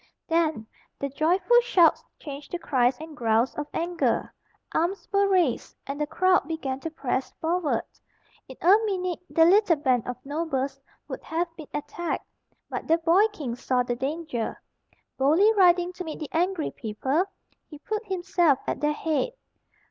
Then the joyful shouts changed to cries and growls of anger. Arms were raised, and the crowd began to press forward. In a minute the little band of nobles would have been attacked, but the boy king saw the danger. Boldly riding to meet the angry people, he put himself at their head.